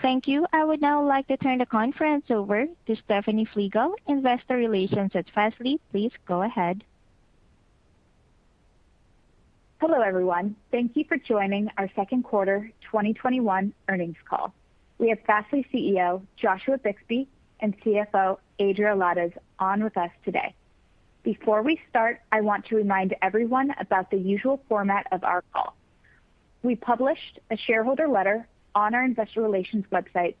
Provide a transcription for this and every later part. Thank you. I would now like to turn the conference over to Stefany Flegal, investor relations at Fastly. Please go ahead. Hello, everyone. Thank you for joining our second quarter 2021 earnings call. We have Fastly CEO, Joshua Bixby, and CFO, Adriel Lares, on with us today. Before we start, I want to remind everyone about the usual format of our call. We published a shareholder letter on our investor relations website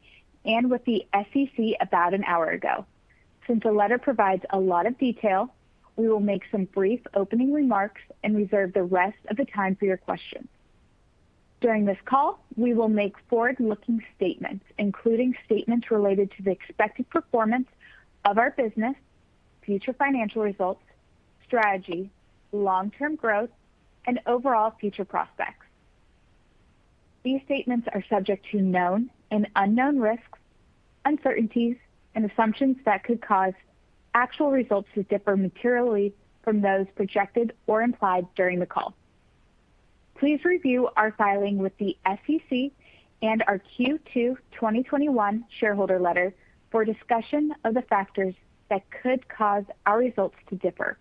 and with the SEC about one hour ago. Since the letter provides a lot of detail, we will make some brief opening remarks and reserve the rest of the time for your questions. During this call, we will make forward-looking statements, including statements related to the expected performance of our business, future financial results, strategy, long-term growth, and overall future prospects. These statements are subject to known and unknown risks, uncertainties, and assumptions that could cause actual results to differ materially from those projected or implied during the call. Please review our filing with the SEC and our Q2 2021 shareholder letter for a discussion of the factors that could cause our results to differ.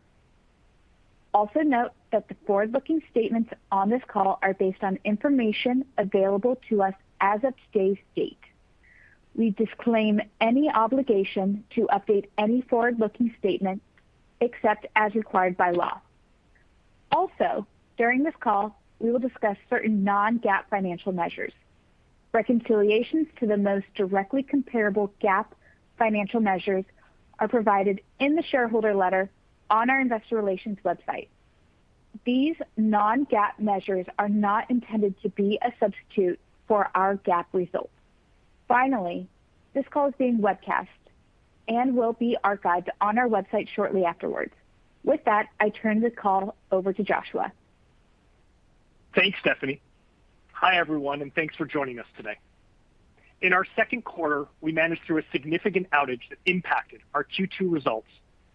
Also note that the forward-looking statements on this call are based on information available to us as of today's date. We disclaim any obligation to update any forward-looking statements except as required by law. Also, during this call, we will discuss certain non-GAAP financial measures. Reconciliations to the most directly comparable GAAP financial measures are provided in the shareholder letter on our investor relations website. These non-GAAP measures are not intended to be a substitute for our GAAP results. Finally, this call is being webcast and will be archived on our website shortly afterwards. With that, I turn this call over to Joshua. Thanks, Stefany. Hi, everyone, and thanks for joining us today. In our second quarter, we managed through a significant outage that impacted our Q2 results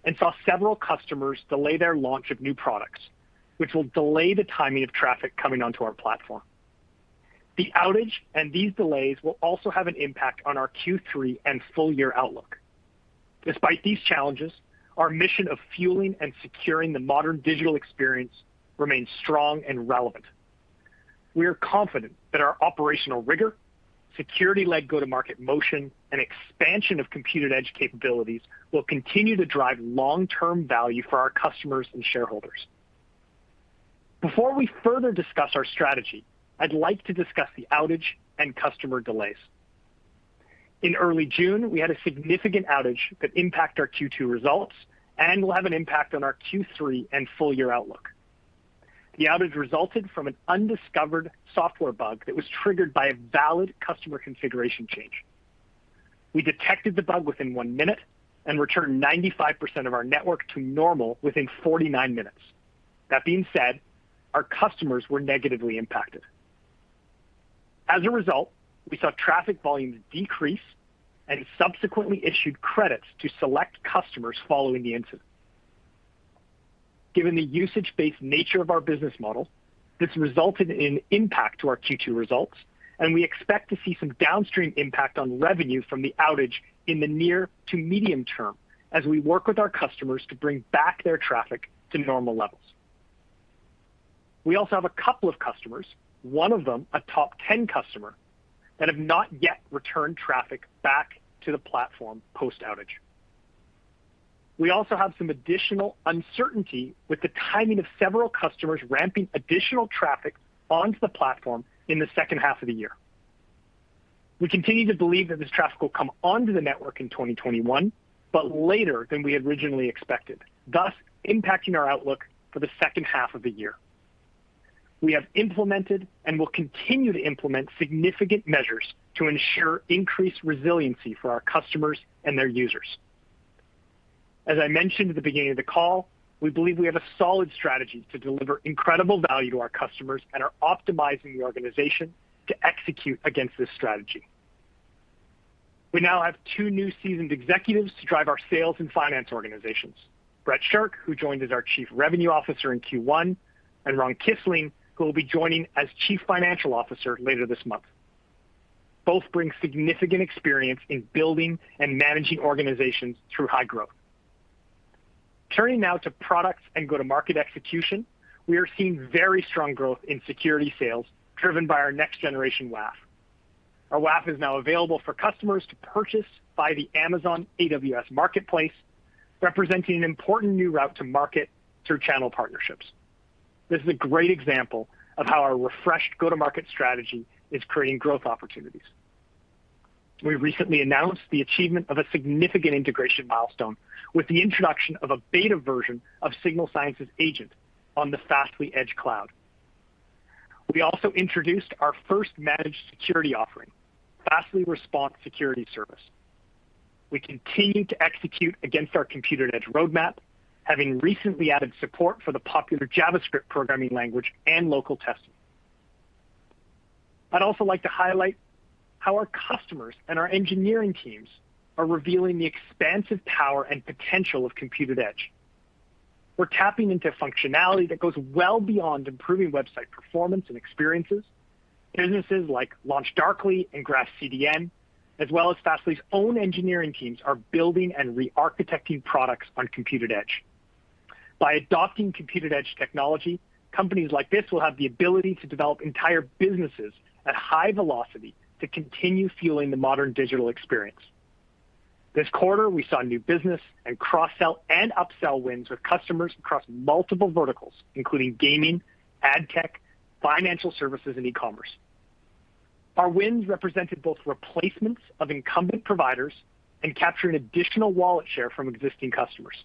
and saw several customers delay their launch of new products, which will delay the timing of traffic coming onto our platform. The outage and these delays will also have an impact on our Q3 and full-year outlook. Despite these challenges, our mission of fueling and securing the modern digital experience remains strong and relevant. We are confident that our operational rigor, security-led go-to-market motion, and expansion of Compute@Edge capabilities will continue to drive long-term value for our customers and shareholders. Before we further discuss our strategy, I'd like to discuss the outage and customer delays. In early June, we had a significant outage that impact our Q2 results and will have an impact on our Q3 and full-year outlook. The outage resulted from an undiscovered software bug that was triggered by a valid customer configuration change. We detected the bug within one minute and returned 95% of our network to normal within 49 minutes. That being said, our customers were negatively impacted. As a result, we saw traffic volumes decrease and subsequently issued credits to select customers following the incident. Given the usage-based nature of our business model, this resulted in impact to our Q2 results, and we expect to see some downstream impact on revenue from the outage in the near to medium term as we work with our customers to bring back their traffic to normal levels. We also have two customers, one of them a top 10 customer, that have not yet returned traffic back to the platform post-outage. We also have some additional uncertainty with the timing of several customers ramping additional traffic onto the platform in the second half of the year. We continue to believe that this traffic will come onto the network in 2021, but later than we had originally expected, thus impacting our outlook for the second half of the year. We have implemented and will continue to implement significant measures to ensure increased resiliency for our customers and their users. As I mentioned at the beginning of the call, we believe we have a solid strategy to deliver incredible value to our customers and are optimizing the organization to execute against this strategy. We now have two new seasoned executives to drive our sales and finance organizations. Brett Shirk, who joined as our Chief Revenue Officer in Q1, and Ron Kisling, who will be joining as Chief Financial Officer later this month. Both bring significant experience in building and managing organizations through high growth. Turning now to products and go-to-market execution, we are seeing very strong growth in security sales driven by our Next-Gen WAF. Our WAF is now available for customers to purchase by the Amazon AWS Marketplace, representing an important new route to market through channel partnerships. This is a great example of how our refreshed go-to-market strategy is creating growth opportunities. We recently announced the achievement of a significant integration milestone with the introduction of a beta version of Signal Sciences Agent on the Fastly Edge Cloud. We also introduced our first managed security offering, Fastly Response Security Service. We continue to execute against our Compute@Edge roadmap, having recently added support for the popular JavaScript programming language and local testing. I'd also like to highlight how our customers and our engineering teams are revealing the expansive power and potential of Compute@Edge. We're tapping into functionality that goes well beyond improving website performance and experiences. Businesses like LaunchDarkly and GraphCDN, as well as Fastly's own engineering teams, are building and re-architecting products on Compute@Edge. By adopting Compute@Edge technology, companies like this will have the ability to develop entire businesses at high velocity to continue fueling the modern digital experience. This quarter, we saw new business and cross-sell and up-sell wins with customers across multiple verticals, including gaming, ad tech, financial services, and e-commerce. Our wins represented both replacements of incumbent providers and captured additional wallet share from existing customers.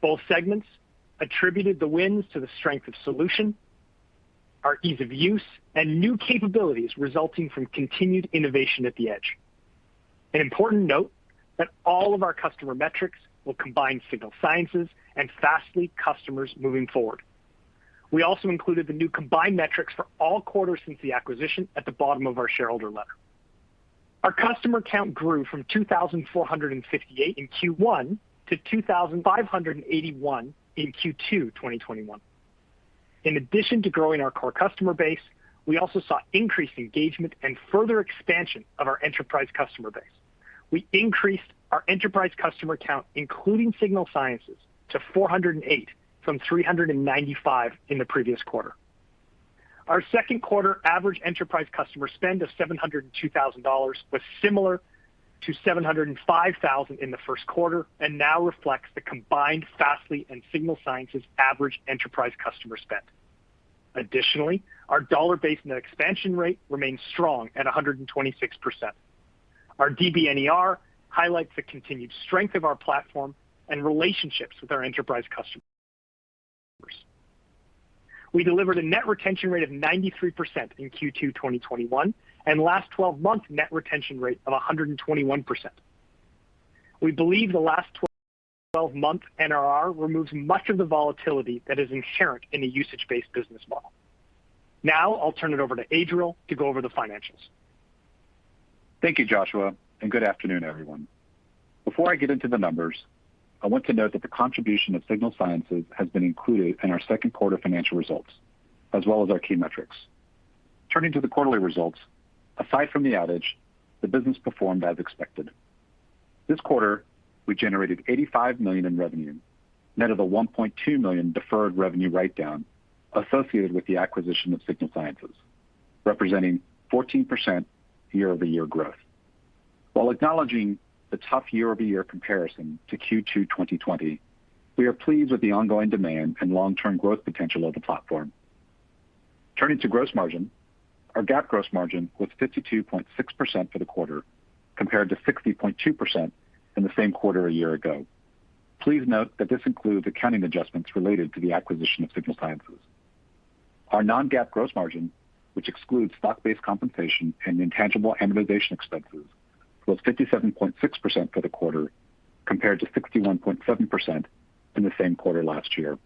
Both segments attributed the wins to the strength of solution, our ease of use, and new capabilities resulting from continued innovation at the edge. An important note that all of our customer metrics will combine Signal Sciences and Fastly customers moving forward. We also included the new combined metrics for all quarters since the acquisition at the bottom of our shareholder letter. Our customer count grew from 2,458 in Q1 to 2,581 in Q2 2021. In addition to growing our core customer base, we also saw increased engagement and further expansion of our enterprise customer base. We increased our enterprise customer count, including Signal Sciences, to 408 from 395 in the previous quarter. Our second quarter average enterprise customer spend of $702,000 was similar to $705,000 in the first quarter and now reflects the combined Fastly and Signal Sciences average enterprise customer spend. Additionally, our dollar-based net expansion rate remains strong at 126%. Our DBNR highlights the continued strength of our platform and relationships with our enterprise customers. We delivered a net retention rate of 93% in Q2 2021, and last 12-month net retention rate of 121%. We believe the last 12-month NRR removes much of the volatility that is inherent in a usage-based business model. Now, I'll turn it over to Adriel to go over the financials. Thank you, Joshua, and good afternoon, everyone. Before I get into the numbers, I want to note that the contribution of Signal Sciences has been included in our second quarter financial results, as well as our key metrics. Turning to the quarterly results, aside from the outage, the business performed as expected. This quarter, we generated $85 million in revenue, net of a $1.2 million deferred revenue write-down associated with the acquisition of Signal Sciences, representing 14% YoY growth. While acknowledging the tough YoY comparison to Q2 2020, we are pleased with the ongoing demand and long-term growth potential of the platform. Turning to gross margin, our GAAP gross margin was 52.6% for the quarter, compared to 60.2% in the same quarter a year ago. Please note that this includes accounting adjustments related to the acquisition of Signal Sciences. Our non-GAAP gross margin, which excludes stock-based compensation and intangible amortization expenses, was 57.6% for the quarter compared to 61.7% in the same quarter last year.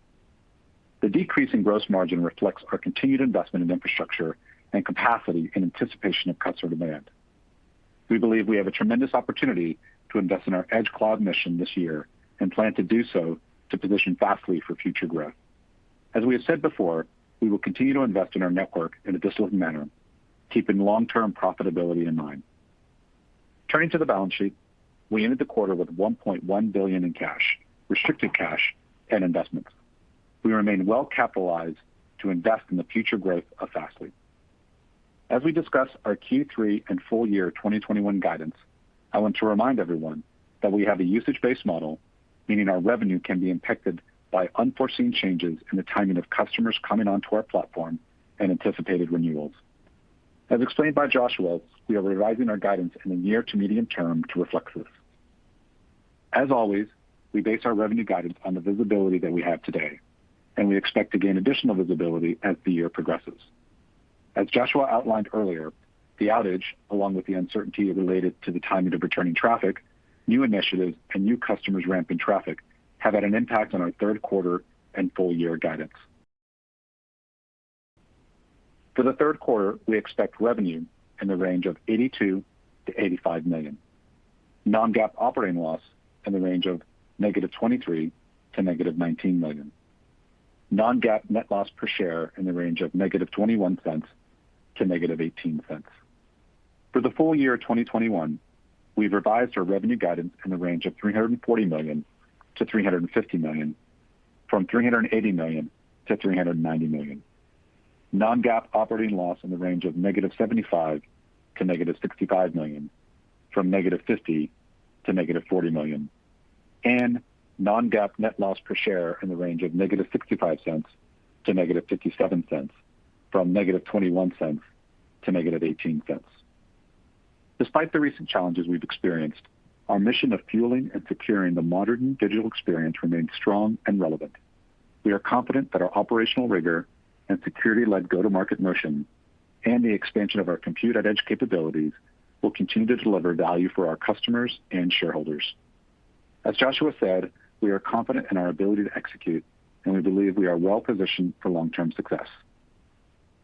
The decrease in gross margin reflects our continued investment in infrastructure and capacity in anticipation of customer demand. We believe we have a tremendous opportunity to invest in our edge cloud mission this year and plan to do so to position Fastly for future growth. As we have said before, we will continue to invest in our network in a disciplined manner, keeping long-term profitability in mind. Turning to the balance sheet, we ended the quarter with $1.1 billion in cash, restricted cash, and investments. We remain well-capitalized to invest in the future growth of Fastly. As we discuss our Q3 and full year 2021 guidance, I want to remind everyone that we have a usage-based model, meaning our revenue can be impacted by unforeseen changes in the timing of customers coming onto our platform and anticipated renewals. As explained by Joshua, we are revising our guidance in the near to medium term to reflect this. As always, we base our revenue guidance on the visibility that we have today, and we expect to gain additional visibility as the year progresses. As Joshua outlined earlier, the outage, along with the uncertainty related to the timing of returning traffic, new initiatives, and new customers ramping traffic, have had an impact on our third quarter and full year guidance. For the third quarter, we expect revenue in the range of $82 million-$85 million. Non-GAAP operating loss in the range of -$23 million to -$19 million. Non-GAAP net loss per share in the range of -$0.21 to -$0.18. For the full year 2021, we've revised our revenue guidance in the range of $340 million to $350 million from $380 million to $390 million. Non-GAAP operating loss in the range of -$75 million to -$65 million from -$50 million to -$40 million. Non-GAAP net loss per share in the range of -$0.65 to -$0.57 from -$0.21 to -$0.18. Despite the recent challenges we've experienced, our mission of fueling and securing the modern digital experience remains strong and relevant. We are confident that our operational rigor and security-led go-to-market motion and the expansion of our Compute@Edge capabilities will continue to deliver value for our customers and shareholders. As Joshua said, we are confident in our ability to execute, and we believe we are well-positioned for long-term success.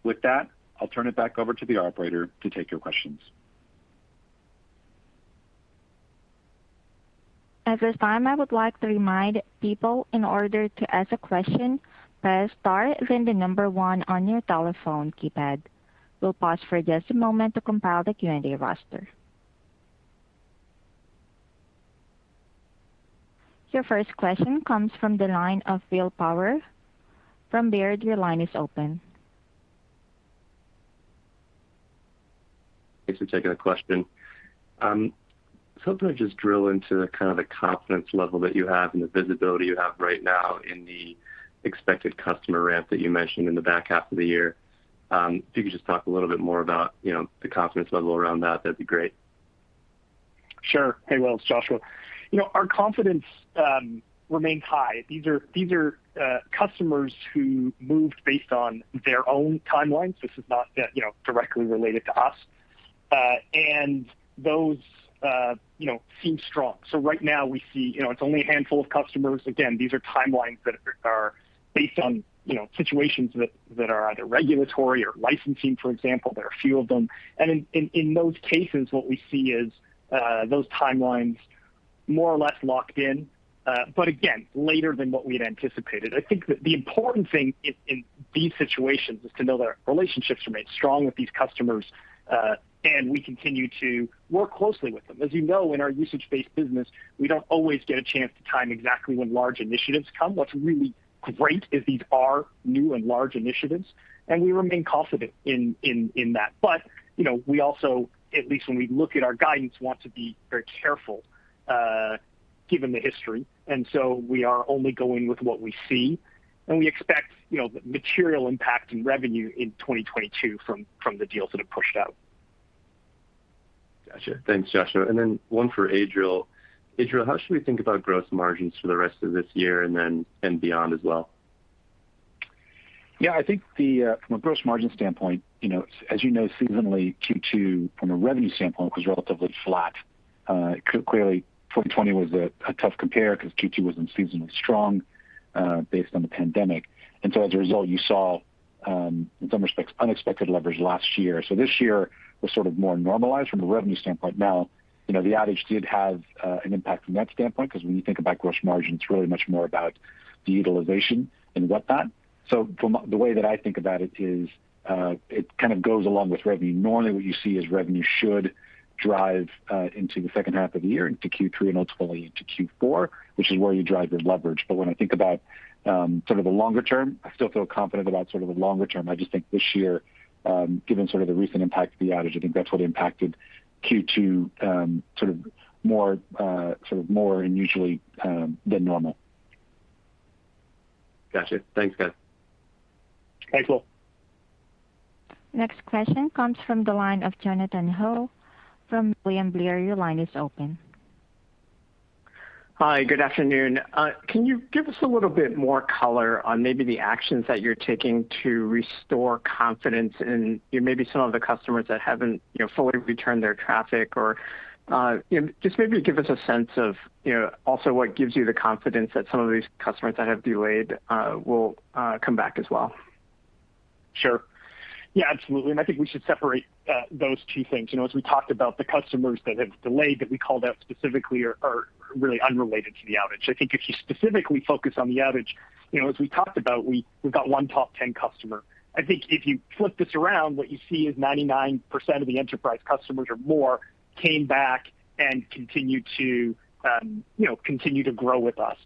With that, I'll turn it back over to the operator to take your questions. At this time, I would like to remind people, in order to ask a question, press star then the number one on your telephone keypad. We'll pause for just a moment to compile the Q&A roster. Your first question comes from the line of William Power from Baird. Your line is open. Thanks for taking the question. I was hoping to just drill into kind of the confidence level that you have and the visibility you have right now in the expected customer ramp that you mentioned in the back half of the year. If you could just talk a little bit more about the confidence level around that'd be great. Sure. Hey, Will, it's Joshua. Our confidence remains high. These are customers who moved based on their own timelines. This is not directly related to us. Those seem strong. Right now we see it's only a handful of customers. Again, these are timelines that are based on situations that are either regulatory or licensing, for example. There are a few of them. In those cases, what we see is those timelines more or less locked in. Again, later than what we'd anticipated. I think that the important thing in these situations is to know that our relationships remain strong with these customers, and we continue to work closely with them. As you know, in our usage-based business, we don't always get a chance to time exactly when large initiatives come. What's really great is these are new and large initiatives, and we remain confident in that. We also, at least when we look at our guidance, want to be very careful given the history, and so we are only going with what we see, and we expect material impact in revenue in 2022 from the deals that have pushed out. Got you. Thanks, Joshua. Then one for Adriel. Adriel, how should we think about gross margins for the rest of this year and beyond as well? Yeah, I think from a gross margin standpoint, as you know, seasonally, Q2 from a revenue standpoint was relatively flat. Clearly 2020 was a tough compare because Q2 wasn't seasonally strong based on the pandemic. As a result, you saw, in some respects, unexpected leverage last year. This year was sort of more normalized from a revenue standpoint. Now, the outage did have an impact from that standpoint because when you think about gross margin, it's really much more about de-utilization and whatnot. The way that I think about it is, it kind of goes along with revenue. Normally what you see is revenue should drive into the second half of the year, into Q3 and ultimately into Q4, which is where you drive your leverage. When I think about sort of the longer term, I still feel confident about sort of the longer term. I just think this year, given sort of the recent impact of the outage, I think that's what impacted Q2 sort of more unusually than normal. Got you. Thanks, guys. Thanks, Will. Next question comes from the line of Jonathan Ho from William Blair. Your line is open. Hi, good afternoon. Can you give us a little bit more color on maybe the actions that you're taking to restore confidence in maybe some of the customers that haven't fully returned their traffic? Just maybe give us a sense of also what gives you the confidence that some of these customers that have delayed will come back as well. Sure. Yeah, absolutely, I think we should separate those two things. As we talked about the customers that have delayed that we called out specifically are really unrelated to the outage. I think if you specifically focus on the outage, as we talked about, we've got one top 10 customer. I think if you flip this around, what you see is 99% of the enterprise customers or more came back and continue to grow with us.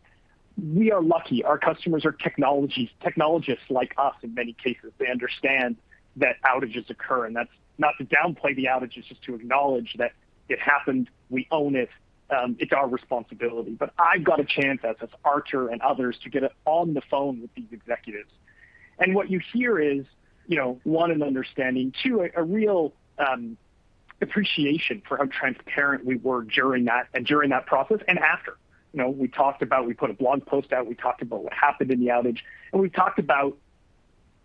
We are lucky. Our customers are technologists like us in many cases. They understand that outages occur, and that's not to downplay the outages, just to acknowledge that it happened. We own it. It's our responsibility. I got a chance, as has Artur and others, to get on the phone with these executives. What you hear is, one, an understanding, two, a real appreciation for how transparent we were during that process and after. We put a blog post out, we talked about what happened in the outage, and we talked about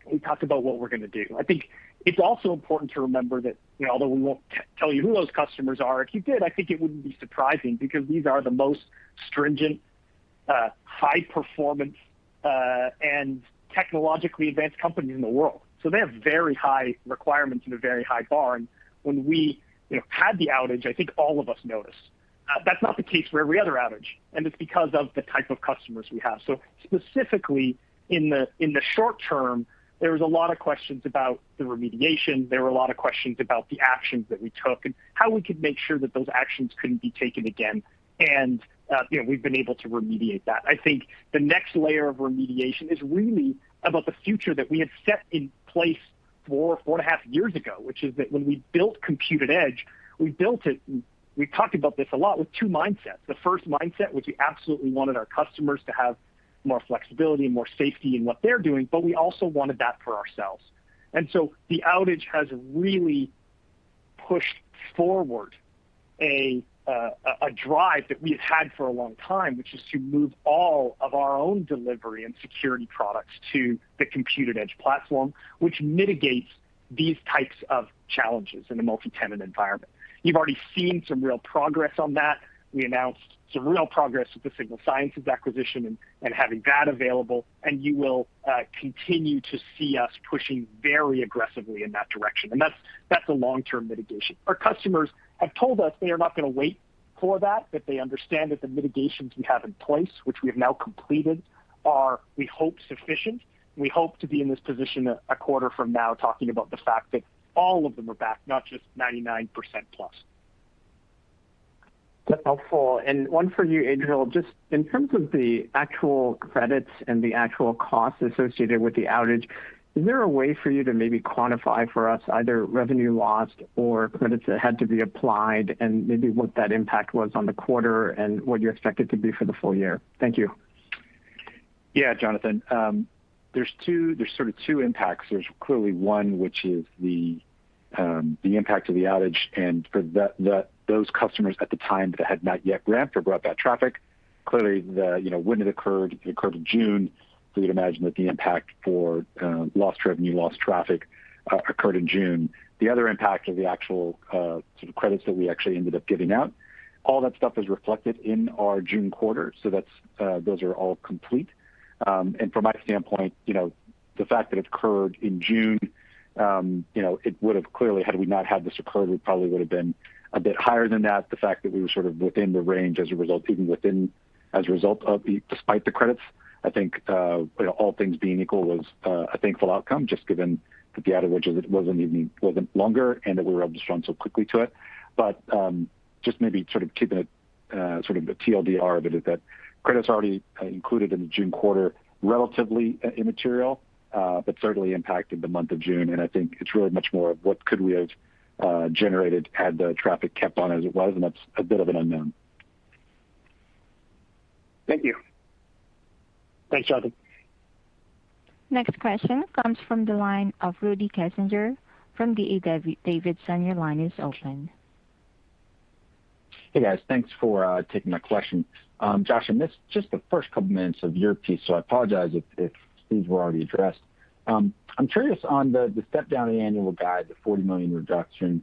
what we're going to do. I think it's also important to remember that although we won't tell you who those customers are, if you did, I think it wouldn't be surprising because these are the most stringent, high-performance, and technologically advanced companies in the world. They have very high requirements and a very high bar, and when we had the outage, I think all of us noticed. That's not the case for every other outage, and it's because of the type of customers we have. Specifically in the short term, there was a lot of questions about the remediation. There were a lot of questions about the actions that we took and how we could make sure that those actions couldn't be taken again. We've been able to remediate that. I think the next layer of remediation is really about the future that we had set in place four and a half years ago, which is that when we built Compute@Edge, we built it, we talked about this a lot, with two mindsets. The first mindset was we absolutely wanted our customers to have more flexibility and more safety in what they're doing, but we also wanted that for ourselves. The outage has really pushed forward a drive that we have had for a long time, which is to move all of our own delivery and security products to the Compute@Edge platform, which mitigates these types of challenges in a multi-tenant environment. You've already seen some real progress on that. We announced some real progress with the Signal Sciences acquisition and having that available, and you will continue to see us pushing very aggressively in that direction. That's a long-term mitigation. Our customers have told us they are not going to wait for that they understand that the mitigations we have in place, which we have now completed, are, we hope, sufficient. We hope to be in this position a quarter from now talking about the fact that all of them are back, not just 99%+. That's helpful. One for you, Adriel, just in terms of the actual credits and the actual costs associated with the outage, is there a way for you to maybe quantify for us either revenue lost or credits that had to be applied, and maybe what that impact was on the quarter and what you expect it to be for the full year? Thank you. Jonathan. There's sort of two impacts. There's clearly one, which is the impact of the outage, and for those customers at the time that had not yet ramped or brought back traffic. Clearly when it occurred, it occurred in June, you'd imagine that the impact for lost revenue, lost traffic, occurred in June. The other impact are the actual sort of credits that we actually ended up giving out. All that stuff is reflected in our June quarter, those are all complete. From my standpoint, the fact that it occurred in June, it would've clearly, had we not had this occur, we probably would've been a bit higher than that. The fact that we were sort of within the range as a result, even despite the credits, I think all things being equal was a thankful outcome just given that the outage wasn't longer and that we were able to respond so quickly to it. Just maybe sort of keeping it sort of the TLDR of it, is that credit's already included in the June quarter, relatively immaterial, but certainly impacted the month of June. I think it's really much more of what could we have generated had the traffic kept on as it was, and that's a bit of an unknown. Thank you. Thanks, Jonathan. Next question comes from the line of Rudy Kessinger from D.A. Davidson. Your line is open. Hey, guys. Thanks for taking my question. Josh, I missed just the first couple minutes of your piece, so I apologize if these were already addressed. I'm curious on the step-down in annual guide, the $40 million reduction,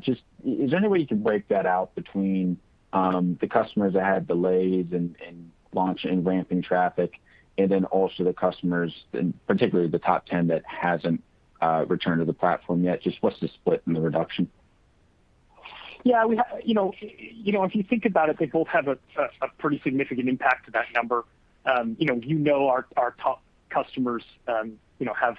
just is there any way you can break that out between the customers that had delays in launch and ramping traffic, and then also the customers, and particularly the top 10 that hasn't returned to the platform yet? Just what's the split in the reduction? If you think about it, they both have a pretty significant impact to that number. You know our top customers have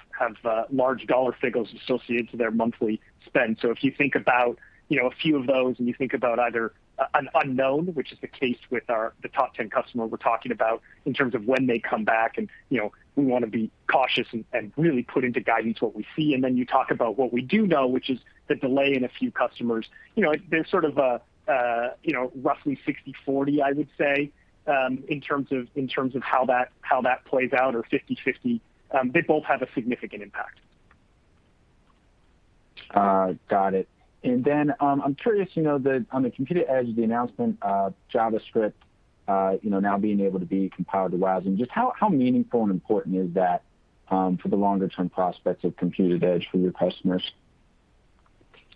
large dollar figures associated to their monthly spend. If you think about a few of those, and you think about either an unknown, which is the case with the top 10 customer we're talking about in terms of when they come back, and we want to be cautious and really put into guidance what we see. Then you talk about what we do know, which is the delay in a few customers. There's sort of roughly 60/40, I would say, in terms of how that plays out, or 50/50. They both have a significant impact. Got it. I'm curious, on the Compute@Edge, the announcement of JavaScript now being able to be compiled to WASM. Just how meaningful and important is that for the longer-term prospects of Compute@Edge for your customers?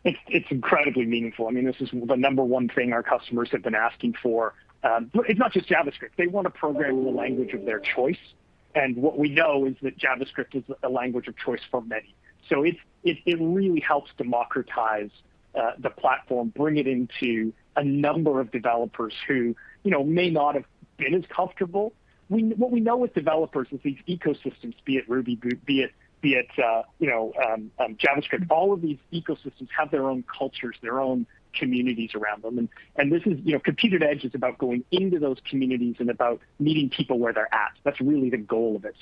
It's incredibly meaningful. This is the number one thing our customers have been asking for. It's not just JavaScript. They want to program the language of their choice. What we know is that JavaScript is a language of choice for many. It really helps democratize the platform, bring it into a number of developers who may not have been as comfortable. What we know with developers is these ecosystems, be it Ruby, be it JavaScript, all of these ecosystems have their own cultures, their own communities around them. Compute@Edge is about going into those communities and about meeting people where they're at. That's really the goal of it.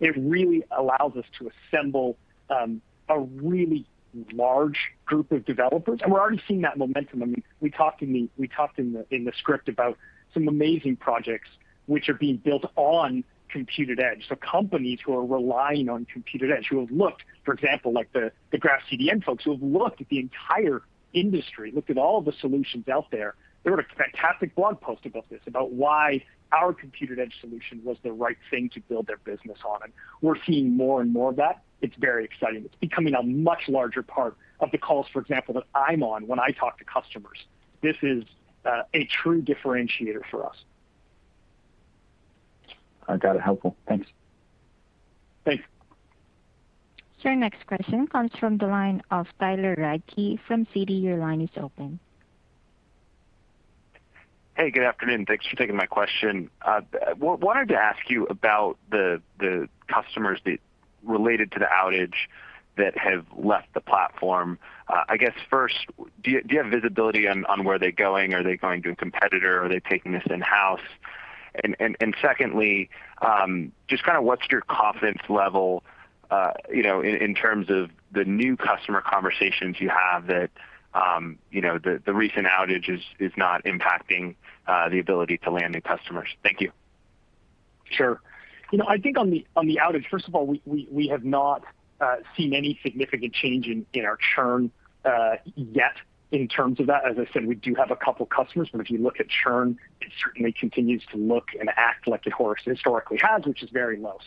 It really allows us to assemble a really large group of developers. We're already seeing that momentum. We talked in the script about some amazing projects which are being built on Compute@Edge. Companies who are relying on Compute@Edge, who have looked, for example, like the GraphCDN folks who have looked at the entire industry, looked at all of the solutions out there. They wrote a fantastic blog post about this, about why our Compute@Edge solution was the right thing to build their business on, and we're seeing more and more of that. It's very exciting. It's becoming a much larger part of the calls, for example, that I'm on when I talk to customers. This is a true differentiator for us. I got it. Helpful. Thanks. Thanks. Sure. Next question comes from the line of Tyler Radke from Citi. Your line is open. Hey, good afternoon. Thanks for taking my question. Wanted to ask you about the customers related to the outage that have left the platform. I guess first, do you have visibility on where they're going? Are they going to a competitor? Are they taking this in-house? Secondly, just kind of what's your confidence level in terms of the new customer conversations you have that the recent outage is not impacting the ability to land new customers? Thank you. Sure. I think on the outage, first of all, we have not seen any significant change in our churn yet in terms of that. As I said, we do have a couple customers. If you look at churn, it certainly continues to look and act like it historically has, which is very low.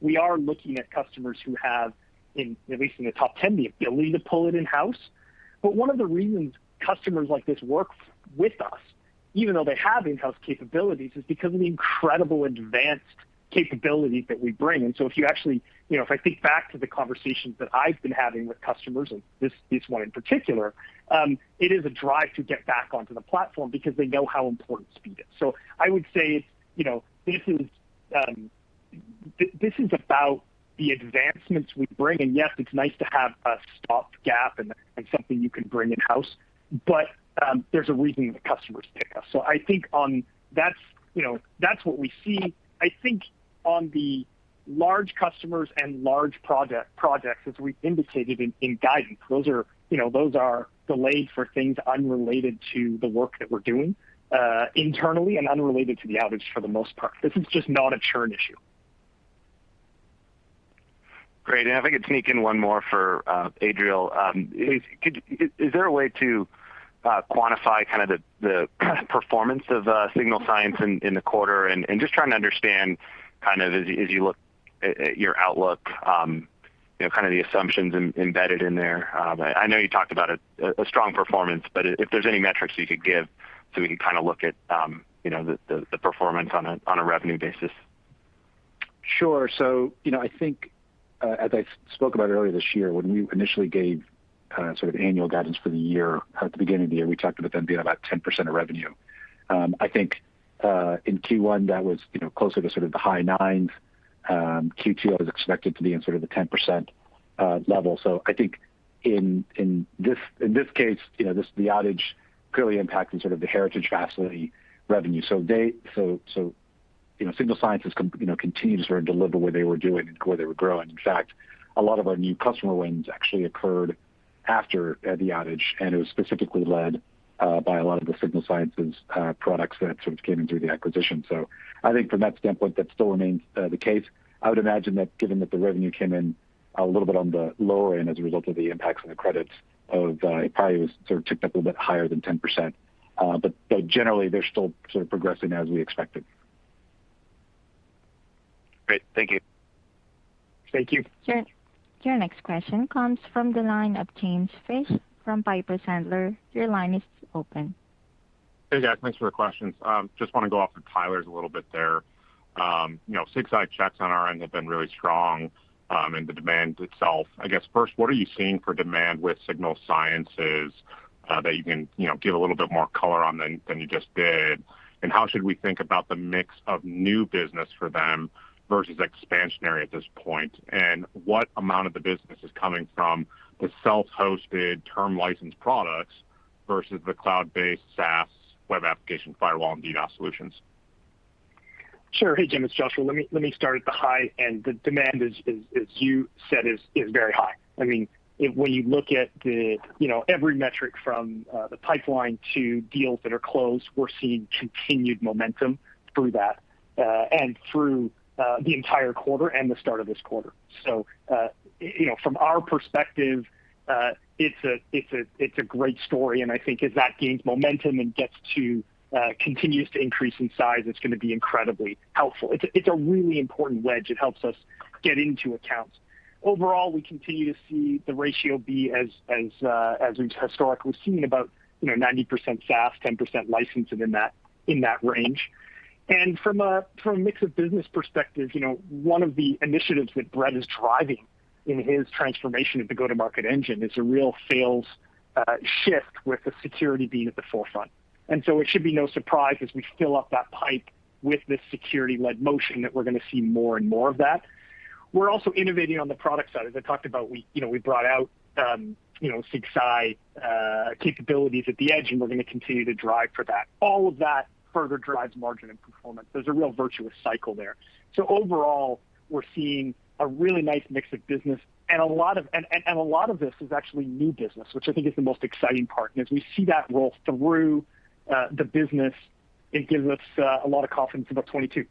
We are looking at customers who have, at least in the top 10, the ability to pull it in-house. One of the reasons customers like this work with us, even though they have in-house capabilities, is because of the incredible advanced capabilities that we bring. If I think back to the conversations that I've been having with customers, and this one in particular, it is a drive to get back onto the platform because they know how important speed is. I would say this is about the advancements we bring. Yes, it's nice to have a stopgap and something you can bring in-house, but there's a reason the customers pick us. I think that's what we see. I think on the large customers and large projects, as we indicated in guidance, those are delayed for things unrelated to the work that we're doing internally and unrelated to the outage for the most part. This is just not a churn issue. Great. If I could sneak in one more for Adriel. Is there a way to quantify the performance of Signal Sciences in the quarter? Just trying to understand, as you look at your outlook, the assumptions embedded in there. I know you talked about a strong performance, but if there's any metrics you could give so we can look at the performance on a revenue basis. Sure. I think, as I spoke about earlier this year, when we initially gave annual guidance for the year at the beginning of the year, we talked about them being about 10% of revenue. I think, in Q1, that was closer to the high 9%. Q2 was expected to be in the 10% level. I think in this case, the outage clearly impacted the Heritage Fastly revenue. Signal Sciences continues to deliver what they were doing and where they were growing. In fact, a lot of our new customer wins actually occurred after the outage, and it was specifically led by a lot of the Signal Sciences products that came in through the acquisition. I think from that standpoint, that still remains the case. I would imagine that given that the revenue came in a little bit on the lower end as a result of the impacts on the credits, it probably ticked up a bit higher than 10%, but generally, they're still progressing as we expected. Great. Thank you. Thank you. Your next question comes from the line of James Fish from Piper Sandler. Your line is open. Hey, guys, thanks for the questions. Just want to go off of Tyler's a little bit there. SigSci on our end have been really strong, and the demand itself. I guess first, what are you seeing for demand with Signal Sciences that you can give a little bit more color on than you just did, and how should we think about the mix of new business for them versus expansionary at this point? What amount of the business is coming from the self-hosted term license products versus the cloud-based SaaS web application firewall and DDoS solutions? Sure. Hey, James, Joshua. Let me start at the high end. The demand, as you said, is very high. When you look at every metric from the pipeline to deals that are closed, we're seeing continued momentum through that, and through the entire quarter and the start of this quarter. From our perspective, it's a great story, and I think as that gains momentum and gets to continues to increase in size, it's going to be incredibly helpful. It's a really important wedge. It helps us get into accounts. Overall, we continue to see the ratio be as we've historically seen, about 90% SaaS, 10% licensing in that range. From a mix of business perspective, one of the initiatives that Brett is driving in his transformation of the go-to-market engine is a real sales shift with the security being at the forefront. It should be no surprise as we fill up that pipe with this security-led motion that we're going to see more and more of that. We're also innovating on the product side. As I talked about, we brought out Signal Sciences capabilities at the edge, and we're going to continue to drive for that. All of that further drives margin and performance. There's a real virtuous cycle there. Overall, we're seeing a really nice mix of business and a lot of this is actually new business, which I think is the most exciting part. As we see that roll through the business, it gives us a lot of confidence about 2022.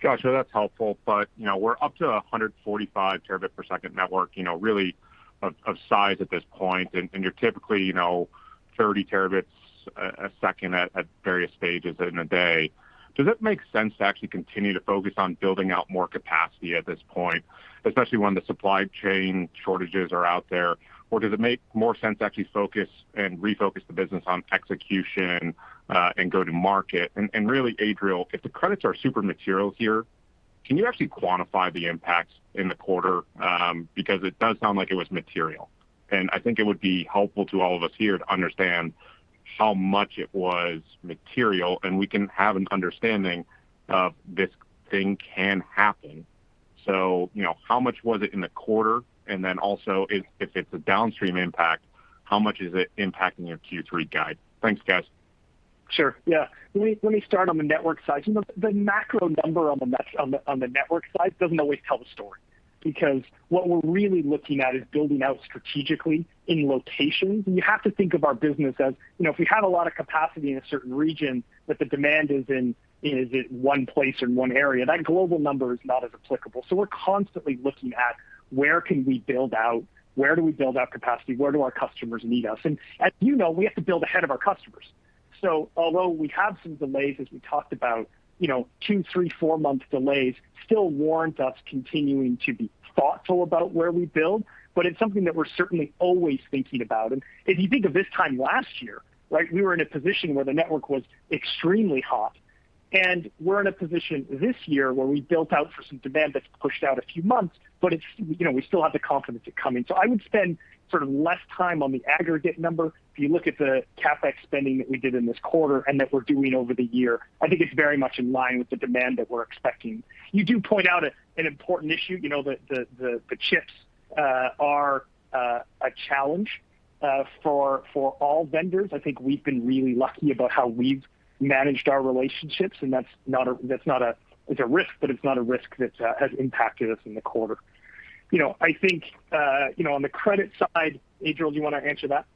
Joshua, that's helpful. We're up to 145 terabit per second network, really of size at this point, and you're typically 30 terabits a second at various stages in a day. Does it make sense to actually continue to focus on building out more capacity at this point, especially when the supply chain shortages are out there? Does it make more sense to actually focus and refocus the business on execution, and go to market? Really, Adriel, if the credits are super material here, can you actually quantify the impacts in the quarter? It does sound like it was material. I think it would be helpful to all of us here to understand how much it was material, and we can have an understanding of this thing can happen. How much was it in the quarter? Also, if it's a downstream impact, how much is it impacting your Q3 guide? Thanks, guys. Sure, yeah. Let me start on the network side. The macro number on the network side doesn't always tell the story, because what we're really looking at is building out strategically in locations. You have to think of our business as if we had a lot of capacity in a certain region, but the demand is in one place or one area. That global number is not as applicable. We're constantly looking at where can we build out, where do we build out capacity, where do our customers need us? As you know, we have to build ahead of our customers. Although we have some delays, as we talked about, two, three, four-month delays still warrant us continuing to be thoughtful about where we build, but it's something that we're certainly always thinking about. If you think of this time last year, right? We were in a position where the network was extremely hot. We're in a position this year where we built out for some demand that's pushed out a few months, but we still have the confidence it's coming. I would spend less time on the aggregate number. If you look at the CapEx spending that we did in this quarter and that we're doing over the year, I think it's very much in line with the demand that we're expecting. You do point out an important issue. The chips are a challenge for all vendors. I think we've been really lucky about how we've managed our relationships, and it's a risk, but it's not a risk that has impacted us in the quarter. I think, on the credit side, Adriel, do you want to answer that?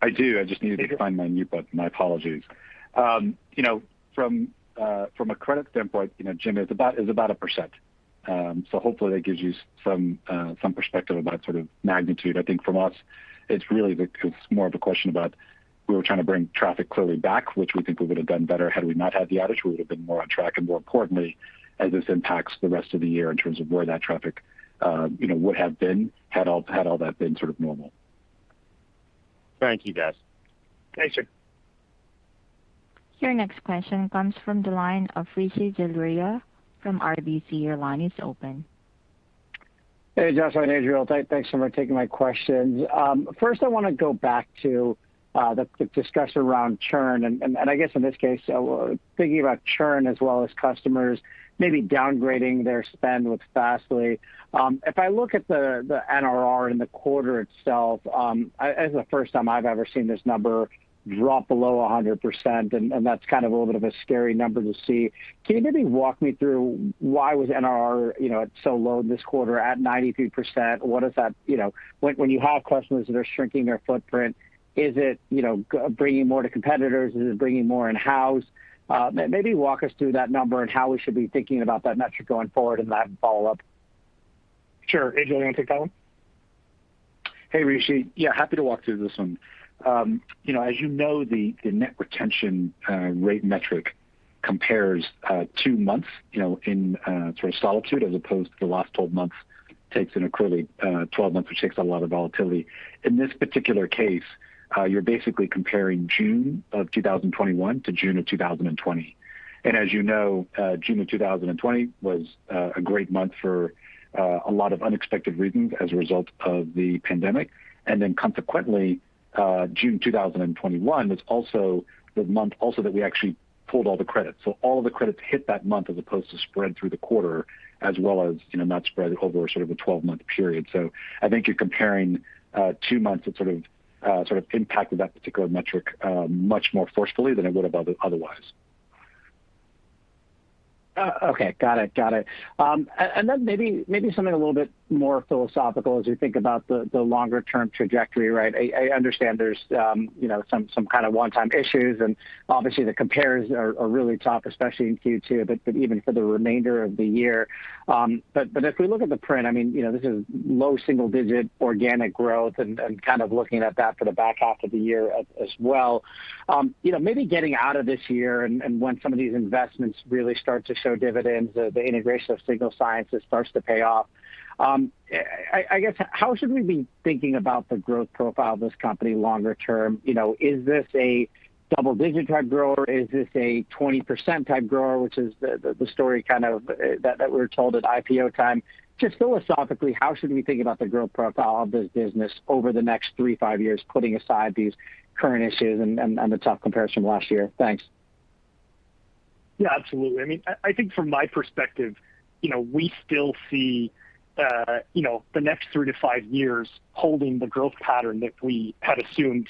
I do. I just needed to find my mute button. My apologies. From a credit standpoint, Jim, it's about 1%. Hopefully that gives you some perspective about sort of magnitude. I think from us, it's more of a question about we were trying to bring traffic clearly back, which we think we would've done better had we not had the outage. We would've been more on track, and more importantly, as this impacts the rest of the year in terms of where that traffic would have been had all that been sort of normal. Thank you, guys. Thanks, Jim. Your next question comes from the line of Rishi Jaluria from RBC. Your line is open. Hey, Josh and Adriel. Thanks for taking my questions. I want to go back to the discussion around churn, and I guess in this case, thinking about churn as well as customers maybe downgrading their spend with Fastly. If I look at the NRR in the quarter itself, as the first time I've ever seen this number drop below 100%, that's kind of a little bit of a scary number to see. Can you maybe walk me through why was NRR so low this quarter at 93%? When you have customers that are shrinking their footprint, is it bringing more to competitors? Is it bringing more in-house? Walk us through that number and how we should be thinking about that metric going forward and that follow-up. Sure. Adriel, you want to take that one? Hey, Rishi. Yeah, happy to walk through this one. As you know, the net retention rate metric compares two months in sort of solitude as opposed to the last 12 months takes an equivalent 12 months, which takes out a lot of volatility. In this particular case, you're basically comparing June of 2021 to June of 2020. As you know, June of 2020 was a great month for a lot of unexpected reasons as a result of the pandemic. Consequently, June 2021 was also the month that we actually pulled all the credits. All of the credits hit that month as opposed to spread through the quarter as well as not spread over sort of a 12-month period. I think you're comparing two months that sort of impacted that particular metric much more forcefully than it would've otherwise. Okay. Got it. Then maybe something a little bit more philosophical as we think about the longer-term trajectory, right? I understand there's some kind of one-time issues, and obviously the compares are really tough, especially in Q2, but even for the remainder of the year. If we look at the print, this is low single-digit organic growth and kind of looking at that for the back half of the year as well. Maybe getting out of this year and when some of these investments really start to show dividends, the integration of Signal Sciences starts to pay off. I guess, how should we be thinking about the growth profile of this company longer term? Is this a double-digit type grower? Is this a 20% type grower, which is the story kind of that we're told at IPO time? Just philosophically, how should we think about the growth profile of this business over the next three, five years, putting aside these current issues and the tough comparison last year? Thanks. Absolutely. I think from my perspective, we still see the next three to five years holding the growth pattern that we had assumed.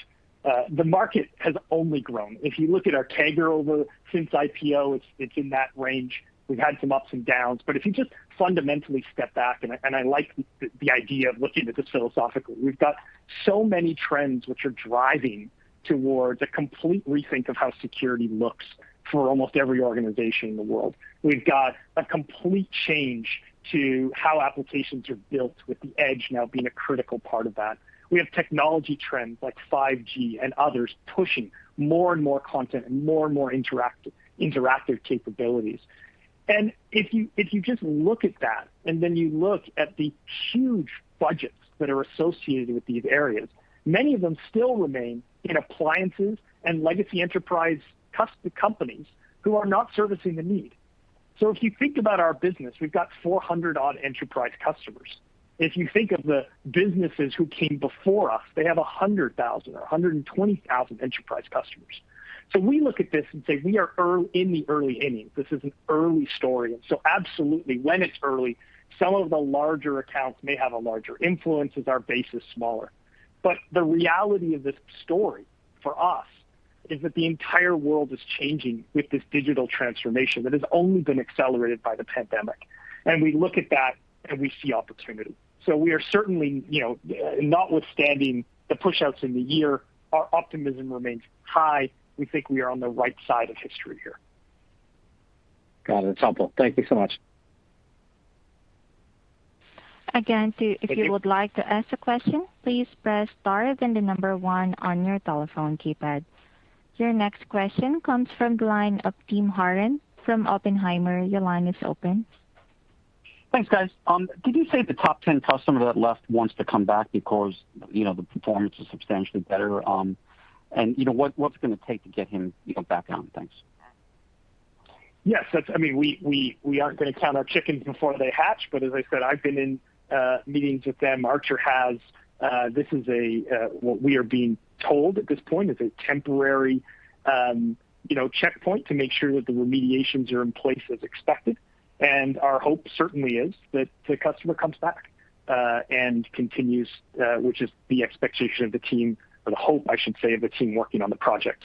The market has only grown. If you look at our CAGR over since IPO, it's in that range. We've had some ups and downs, but if you just fundamentally step back, and I like the idea of looking at this philosophically. We've got so many trends which are driving towards a complete rethink of how security looks for almost every organization in the world. We've got a complete change to how applications are built with the edge now being a critical part of that. We have technology trends like 5G and others pushing more and more content and more and more interactive capabilities. If you just look at that and then you look at the huge budgets that are associated with these areas, many of them still remain in appliances and legacy enterprise companies who are not servicing the need. If you think about our business, we've got 400-odd enterprise customers. If you think of the businesses who came before us, they have 100,000 or 120,000 enterprise customers. We look at this and say we are in the early innings. This is an early story. Absolutely, when it's early, some of the larger accounts may have a larger influence as our base is smaller. The reality of this story for us is that the entire world is changing with this digital transformation that has only been accelerated by the pandemic. We look at that and we see opportunity. We are certainly, notwithstanding the push-outs in the year, our optimism remains high. We think we are on the right side of history here. Got it. It's helpful. Thank you so much. Again if you would like to ask a question please press star then number one on your telephone keypad. Your next question comes from the line of Timothy Horan from Oppenheimer. Your line is open. Thanks, guys. Did you say the top 10 customer that left wants to come back because the performance is substantially better? What's it going to take to get him back on? Thanks. Yes. We aren't going to count our chickens before they hatch, but as I said, I've been in meetings with them, Artur Bergman has. This is what we are being told at this point. It's a temporary checkpoint to make sure that the remediations are in place as expected. Our hope certainly is that the customer comes back and continues, which is the expectation of the team, or the hope, I should say, of the team working on the project.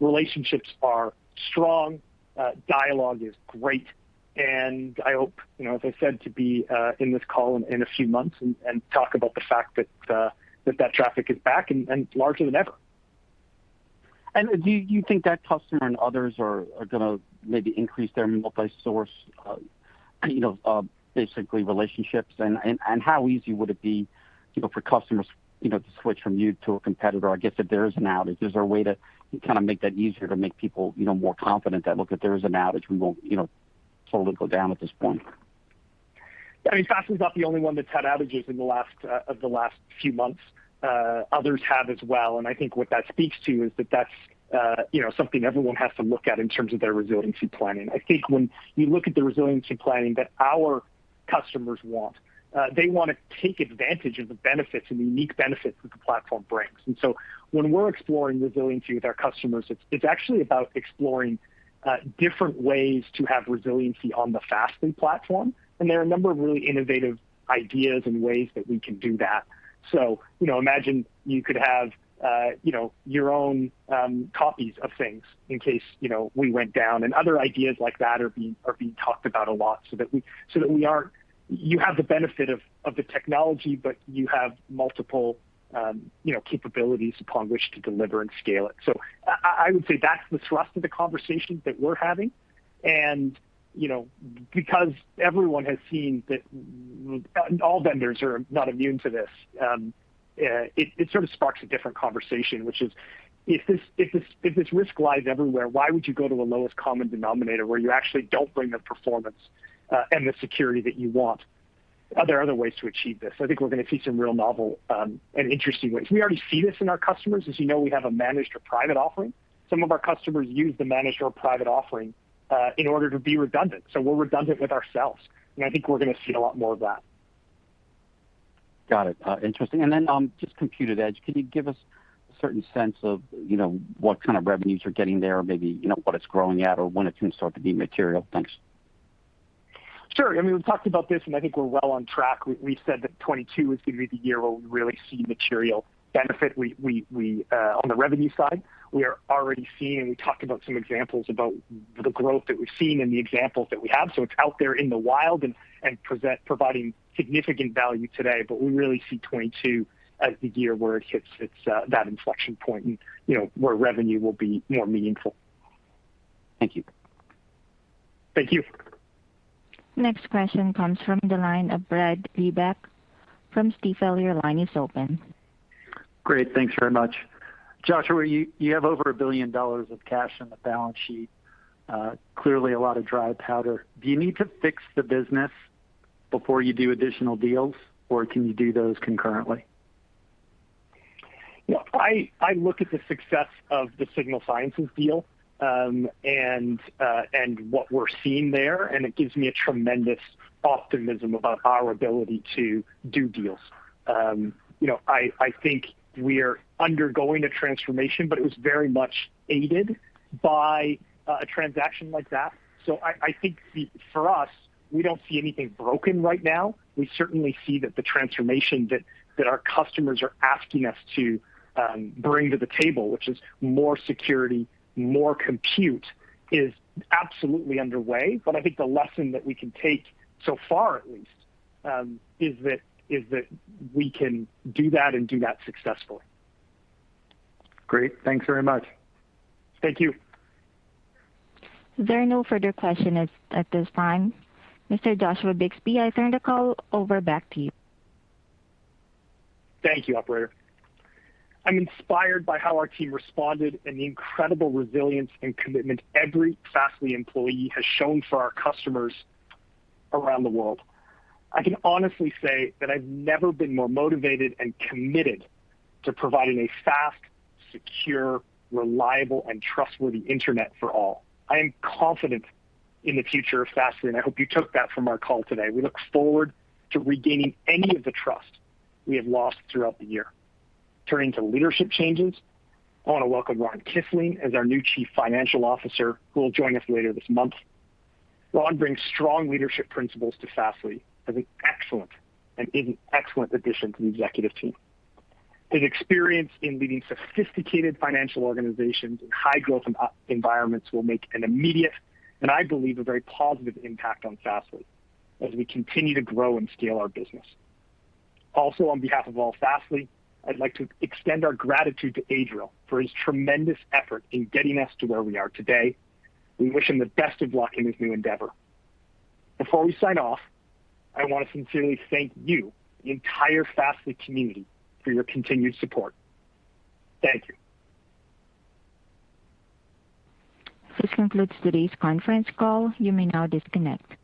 Relationships are strong, dialogue is great, and I hope, as I said, to be in this call in a few months and talk about the fact that traffic is back and larger than ever. Do you think that customer and others are going to maybe increase their multi-source basically relationships? How easy would it be for customers to switch from you to a competitor? I guess if there is an outage, is there a way to kind of make that easier to make people more confident that, look, if there is an outage, we won't totally go down at this point? Fastly's not the only one that's had outages of the last few months. Others have as well. I think what that speaks to is that that's something everyone has to look at in terms of their resiliency planning. I think when you look at the resiliency planning that our customers want, they want to take advantage of the benefits and the unique benefits that the platform brings. When we're exploring resiliency with our customers, it's actually about exploring different ways to have resiliency on the Fastly platform. There are a number of really innovative ideas and ways that we can do that. Imagine you could have your own copies of things in case we went down, and other ideas like that are being talked about a lot so that you have the benefit of the technology, but you have multiple capabilities upon which to deliver and scale it. I would say that's the thrust of the conversations that we're having. Because everyone has seen that all vendors are not immune to this, it sort of sparks a different conversation, which is, if this risk lies everywhere, why would you go to a lowest common denominator where you actually don't bring the performance and the security that you want? Are there other ways to achieve this? I think we're going to see some real novel and interesting ways. We already see this in our customers. As you know, we have a managed or private offering. Some of our customers use the managed or private offering in order to be redundant. We're redundant with ourselves, and I think we're going to see a lot more of that. Got it. Interesting. Then just Compute@Edge. Could you give us a certain sense of what kind of revenues you're getting there, or maybe what it's growing at, or when it can start to be material? Thanks. Sure. We've talked about this, and I think we're well on track. We said that 2022 is going to be the year where we really see material benefit. On the revenue side, we are already seeing, we talked about some examples about the growth that we've seen and the examples that we have. It's out there in the wild and providing significant value today. We really see 2022 as the year where it hits that inflection point and where revenue will be more meaningful. Thank you. Thank you. Next question comes from the line of Brad Reback from Stifel. Your line is open. Great. Thanks very much. Joshua, you have over $1 billion of cash on the balance sheet. Clearly a lot of dry powder. Do you need to fix the business before you do additional deals, or can you do those concurrently? I look at the success of the Signal Sciences deal and what we're seeing there, it gives me a tremendous optimism about our ability to do deals. I think we're undergoing a transformation, it was very much aided by a transaction like that. I think for us, we don't see anything broken right now. We certainly see that the transformation that our customers are asking us to bring to the table, which is more security, more compute, is absolutely underway. I think the lesson that we can take so far, at least, is that we can do that and do that successfully. Great. Thanks very much. Thank you. There are no further questions at this time. Mr. Joshua Bixby, I turn the call over back to you. Thank you, operator. I'm inspired by how our team responded and the incredible resilience and commitment every Fastly employee has shown for our customers around the world. I can honestly say that I've never been more motivated and committed to providing a fast, secure, reliable, and trustworthy internet for all. I am confident in the future of Fastly, and I hope you took that from our call today. We look forward to regaining any of the trust we have lost throughout the year. Turning to leadership changes, I want to welcome Ron Kisling as our new Chief Financial Officer, who will join us later this month. Ron brings strong leadership principles to Fastly as an excellent addition to the executive team. His experience in leading sophisticated financial organizations in high-growth environments will make an immediate, and I believe, a very positive impact on Fastly as we continue to grow and scale our business. Also, on behalf of all Fastly, I'd like to extend our gratitude to Adriel for his tremendous effort in getting us to where we are today. We wish him the best of luck in his new endeavor. Before we sign off, I want to sincerely thank you, the entire Fastly community, for your continued support. Thank you. This concludes today's conference call. You may now disconnect.